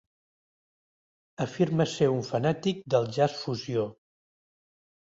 Afirma ser un "fanàtic del jazz fusió".